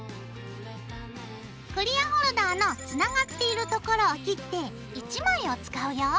クリアホルダーのつながっている所を切って１枚を使うよ。